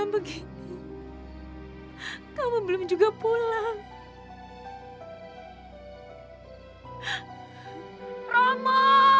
sepertinya aku mendengar suara anak kita